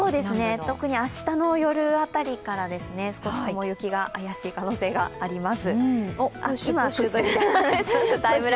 特に明日の夜辺りから少し雲行きが怪しい可能性があります。